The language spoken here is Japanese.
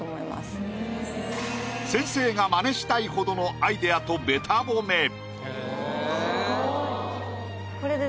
先生が「マネしたいほどのアイデア」とベタ褒め。